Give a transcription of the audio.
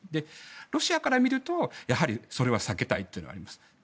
ロシアから見るとやはりそれは避けたいという感じです。